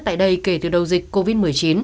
tại đây kể từ đầu dịch covid một mươi chín